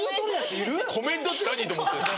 「コメント」って何？と思ってその前に。